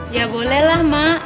ya boleh lah mak